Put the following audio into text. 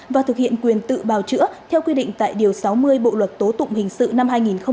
và thực hiện quyền tự bào chữa theo quy định tại điều sáu mươi bộ luật tố tụng hình sự năm hai nghìn một mươi năm